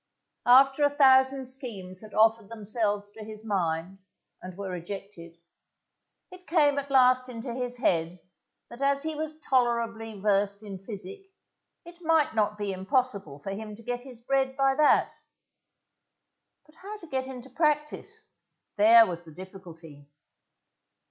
After a thousand schemes had offered themselves to his mind, and were rejected, it came at last into his head that as he was tolerably versed in physic, it might not be impossible for him to get his bread by that. But how to get into practice, there was the difficulty.